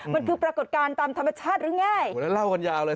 มันคือปรากฏการณ์ตามธรรมชาติหรือง่ายโอ้โหแล้วเล่ากันยาวเลย